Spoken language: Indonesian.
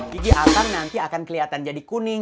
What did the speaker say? gigi akang nanti akan keliatan jadi kuning